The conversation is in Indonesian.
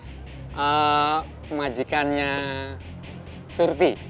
eee pemajikannya surti